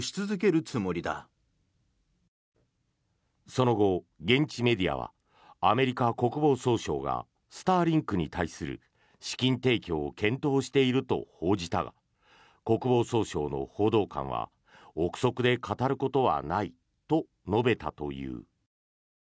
その後、現地メディアはアメリカ国防総省がスターリンクに対する資金提供を検討していると報じたが国防総省の報道官は臆測で語ることはないと述べたという。